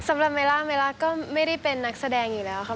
สำหรับเมลล่าเมล่าก็ไม่ได้เป็นนักแสดงอยู่แล้วครับ